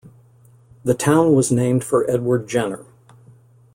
The town was named for Edward Jenner.